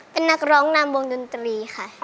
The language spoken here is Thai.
เป็นนักร้องนำวงดนตรีค่ะ